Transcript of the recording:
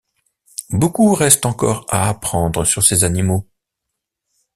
Beaucoup reste encore à apprendre sur ces animaux.